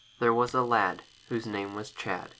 THERE was a lad, Whose name was Chad.